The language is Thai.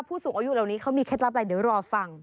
ผู้สูงอายุเหล่านี้เขามีเคล็ดลับอะไรเดี๋ยวรอฟัง